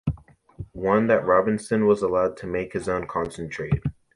One, that Robinson was allowed to make his own concentrate.